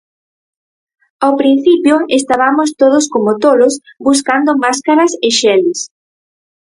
Ao principio estabamos todos como tolos buscando máscaras e xeles.